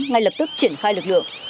ngay lập tức triển khai lực lượng